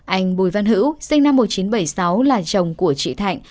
anh bùi văn hữu sinh năm một nghìn chín trăm bảy mươi sáu là chồng của chị thạnh